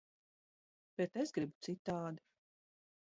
Bet es gribu citādi.